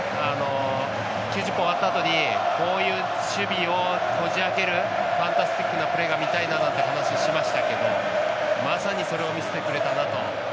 ９０分終わったあとにこういう守備をこじ開けるファンタスティックなプレーを見たいななんて話をしましたけどまさに、それを見せてくれたなと。